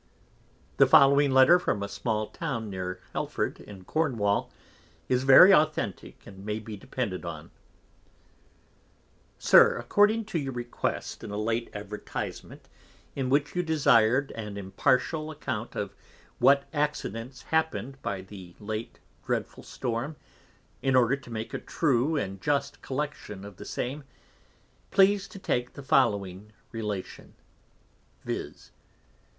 The following Letter from a small Town near Helford in Cornwall is very Authentick, and may be depended on. SIR, According to your Request, in a late Advertisement, in which you desir'd an Impartial Account of what Accidents hapned by the late Dreadful Storm, in order to make a true and just Collection of the same, please to take the following Relation, _viz.